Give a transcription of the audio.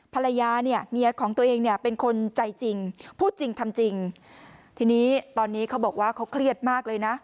ภรรยาเนี่ยเมียของตัวเองเนี่ยเป็นคนใจจริงพูดจริงทำจริงทีนี้ตอนนี้เขาบอกว่าเขาเครียดมากเลยนะ